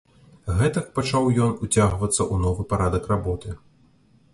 Гэтак пачаў ён уцягвацца ў новы парадак работы.